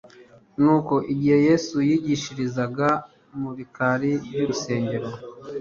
Nuko igihe Yesu yigishirizaga mu bikari by'urusengero,